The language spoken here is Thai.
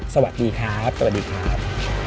สวัสดีครับ